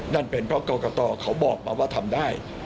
นั่นเป็นเพราะกรกตเขาบอกมาว่าทำได้